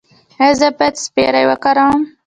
ایا زه باید سپری وکاروم؟